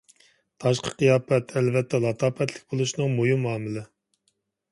تاشقى قىياپەت ئەلۋەتتە لاتاپەتلىك بولۇشنىڭ مۇھىم ئامىلى.